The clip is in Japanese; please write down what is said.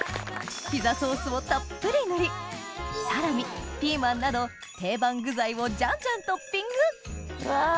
ピザソースをたっぷり塗りサラミピーマンなど定番具材をじゃんじゃんトッピングうわ